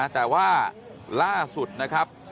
แต่ว่าล่าสุดนะครับ